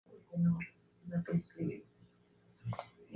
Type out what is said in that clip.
Debajo hay una tabla de equivalencias entre el carácter y el código.